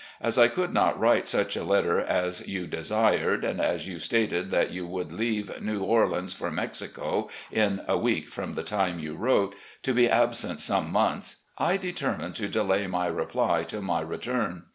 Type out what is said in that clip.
As I could not write such a letter as you desired, and as you stated that you would leave New Orleans for Mexico in a week from the time you wrote, to be absent some months, I determined to delay m3'^ reply till my return.